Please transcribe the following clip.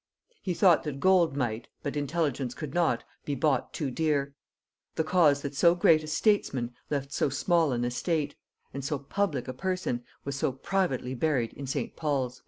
He thought that gold might, but intelligence could not, be bought too dear; the cause that so great a statesman left so small an estate, and so public a person was so privately buried in St. Pauls."